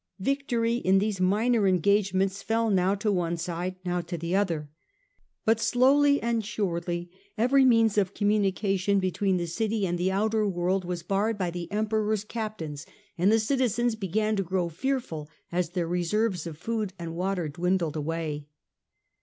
Victory in these minor engagements fell now to one side, now to the other. But slowly and surely every means of communication between the city and the outer 260 STUPOR MUNDI world was barred by the Emperor's captains, and the citizens began to grow fearful as their reserves of food and water dwindled away.